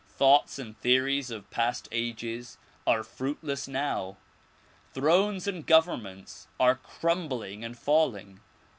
Thoughts and theories of past ages are fruitless now. Thrones and governments are crumbling and falling.